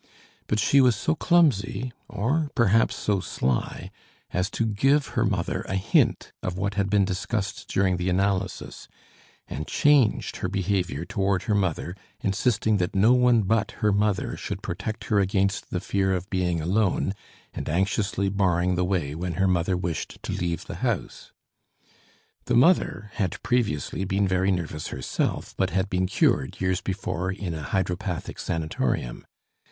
But she was so clumsy or perhaps so sly as to give her mother a hint of what had been discussed during the analysis, and changed her behavior toward her mother, insisting that no one but her mother should protect her against the fear of being alone, and anxiously barring the way when her mother wished to leave the house. The mother had previously been very nervous herself, but had been cured years before in a hydropathic sanatorium.